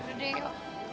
udah deh yuk